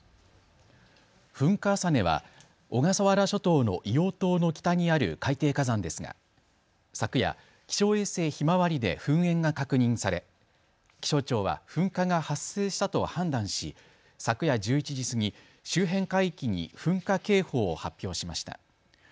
噴火浅根は小笠原諸島の硫黄島の北にある海底火山ですが昨夜、気象衛星ひまわりで噴煙が確認され気象庁は噴火が発生したと判断し昨夜１１時過ぎ、周辺海域に噴火警報を発表しました。